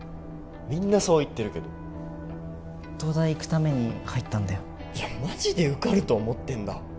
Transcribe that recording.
みんなそう言ってるけど東大行くために入ったんだよいやマジで受かると思ってんだ？